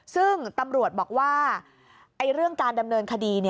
ซึ่งตำรวจบอกว่าเรื่องการดำเนินคดี